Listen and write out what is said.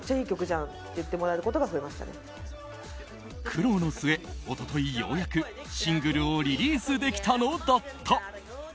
苦労の末、一昨日、ようやくシングルをリリースできたのだった。